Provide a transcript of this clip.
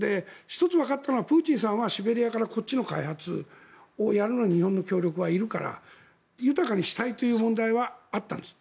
１つ分かったのはプーチンさんはシベリアからこっちの開発をやるのに日本の協力はいるから豊かにしたいという問題はあったんです。